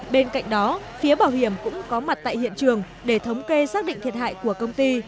bên cạnh đó phía bảo hiểm cũng có mặt tại hiện trường để thống kê xác định thiệt hại của công ty